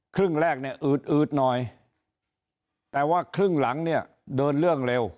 ครึ่งแรกเนี่ยอืดอืดหน่อยแต่ว่าครึ่งหลังเนี่ยเดินเรื่องเร็ว